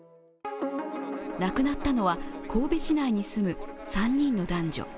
亡くなったのは神戸市内に住む３人の男女。